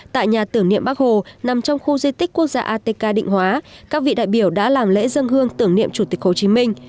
tại nhà tưởng niệm bắc hồ nằm trong khu di tích quốc gia atk định hóa các vị đại biểu đã làm lễ dân hương tưởng niệm chủ tịch hồ chí minh